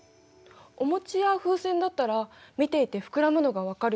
お餅や風船だったら見ていて膨らむのが分かるよね。